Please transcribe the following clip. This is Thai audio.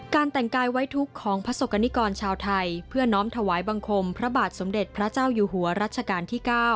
แต่งกายไว้ทุกข์ของประสบกรณิกรชาวไทยเพื่อน้อมถวายบังคมพระบาทสมเด็จพระเจ้าอยู่หัวรัชกาลที่๙